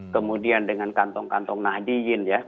kemudian dengan kantong kantong nahdiyin ya